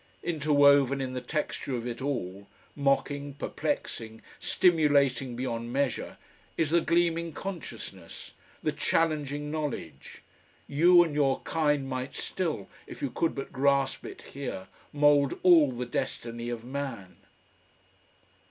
Interwoven in the texture of it all, mocking, perplexing, stimulating beyond measure, is the gleaming consciousness, the challenging knowledge: "You and your kind might still, if you could but grasp it here, mould all the destiny of Man!"